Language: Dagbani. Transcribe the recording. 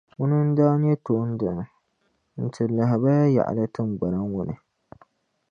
Ŋuni n daa nyɛ toondana, n-ti lahabaya yaɣili tingbani ŋɔ ni.